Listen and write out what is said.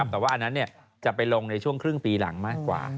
แต่ว่าอันนั้นจะไปลงในช่วงครึ่งปีหลังมากกว่า